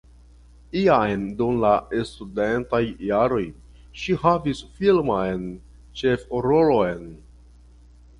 Jam dum la studentaj jaroj ŝi havis filman ĉefrolon.